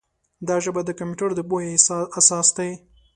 دا ژبه د کمپیوټر د پوهې اساس دی.